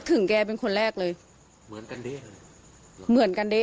ถึงแกเป็นคนแรกเลยเหมือนดีเหมือนกันดิ